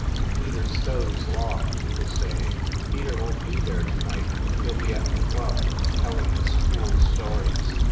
"To Peter Stow s loft," he was saying. "Peter won t be there to night; he ll be at the club, telling his fool stories.